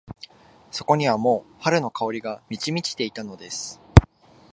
そこにはもう春の香りが満ち満ちていたのです。